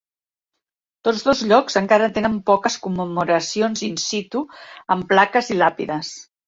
Tots dos llocs encara tenen poques commemoracions "in situ" amb plaques i làpides.